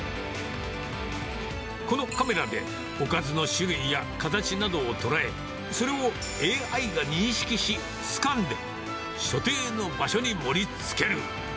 このカメラでおかずの種類や形などを捉え、それをＡＩが認識し、つかんで、所定の場所に盛りつける。